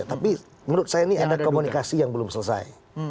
tapi menurut saya ini ada komunikasi yang belum selesai